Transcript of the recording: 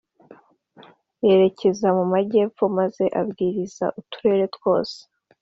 Yerekeza mu majyepfo maze abwiriza uturere twose